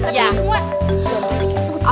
ini gue angkatin tadi semua